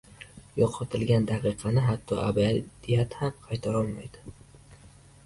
Yo‘qotilgan daqiqani hatto abadiyat ham qaytara olmaydi.